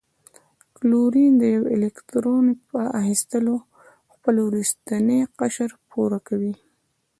کلورین د یوه الکترون په اخیستلو خپل وروستنی قشر پوره کوي.